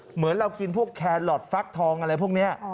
เหมือนเรากินพวกแครอทฟักทองอะไรพวกนี้